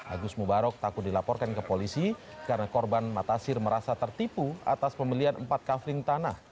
agus mubarok takut dilaporkan ke polisi karena korban matasir merasa tertipu atas pembelian empat kafling tanah